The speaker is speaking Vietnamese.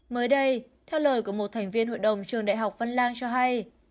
mới đây theo lời của một thành viên hội đồng trường đại học văn lang cho hay